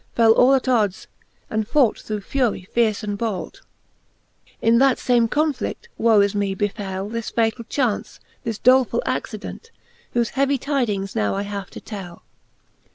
Fell all at ods, and fought through fury fierce and bold. XXXI. In that fame conflict, woe is me 1 befell This fatall chaunce, this doleful! accident, Whofe heavy tydings now I have to tell.